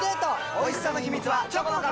おいしさの秘密はチョコの壁！